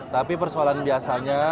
tapi persoalan biasanya